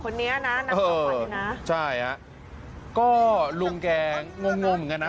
คนนี้นะนางสาวขวัญนะใช่ฮะก็ลุงแกงงงงงเหมือนกันนะ